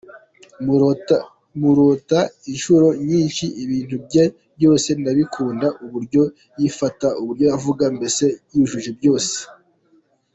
Murota inshuro nyinshi, ibintu bye byose ndabikunda, uburyo yifata, uburyo avuga mbese yujuje byose”.